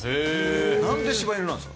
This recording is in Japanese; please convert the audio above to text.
何で柴犬なんすか？